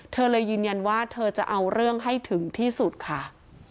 เธอเลยยืนยันว่าเธอจะเอาเรื่องให้ถึงที่สุดค่ะ